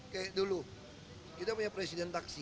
kayak dulu kita punya presiden taksi